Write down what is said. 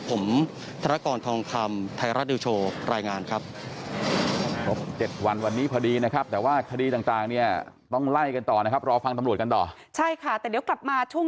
ผมธนกรทองคำไทยรัฐนิวโชว์รายงานครับ